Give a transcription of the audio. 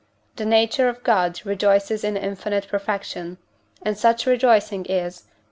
the nature of God rejoices in infinite perfection; and such rejoicing is (II.